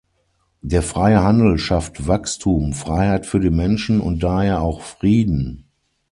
Der freie Handel schafft Wachstum, Freiheit für die Menschen und daher auch Frieden.